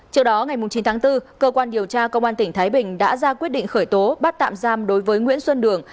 trước đó ngày chín tháng bốn cơ quan điều tra công an tỉnh thái bình đã ra quyết định khởi tố bắt tạm giam đối với nguyễn xuân đường